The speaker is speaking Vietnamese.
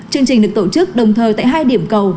chương trình được tổ chức đồng thời tại hai điểm cầu